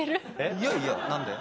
いやいや何で？